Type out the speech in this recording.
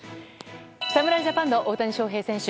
侍ジャパンの大谷翔平選手